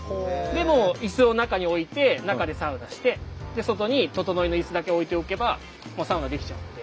でもう椅子を中に置いて中でサウナして外にととのいの椅子だけ置いておけばもうサウナ出来ちゃうので。